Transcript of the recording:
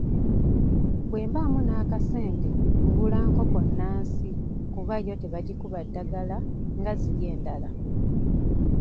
Bwe mbaamu n'akasente ngula nkoko nnansi kuba yo tebagikuba ddagala nga ziri endala.